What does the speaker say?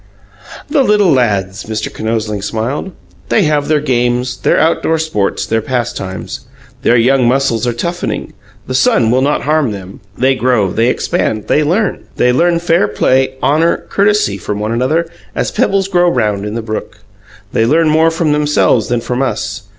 "The little lads!" Mr. Kinosling smiled. "They have their games, their outdoor sports, their pastimes. The young muscles are toughening. The sun will not harm them. They grow; they expand; they learn. They learn fair play, honour, courtesy, from one another, as pebbles grow round in the brook. They learn more from themselves than from us.